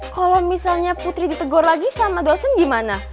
kalau misalnya putri ditegur lagi sama dosen gimana